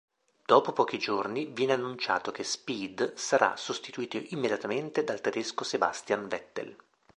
Dopo pochi giorni viene annunciato che Speed sarà sostituito immediatamente dal tedesco Sebastian Vettel.